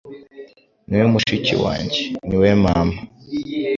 ni we mushiki wanjye, ni we Mama.»